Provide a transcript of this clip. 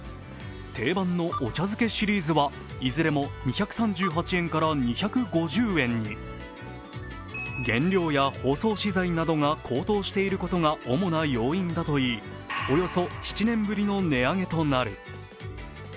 定番のお茶づけシリーズはいずれも２３８円から２５０円に。原料や包装資材などが高騰していることが主な要因だといい、およそ７年ぶりの値上げとなる。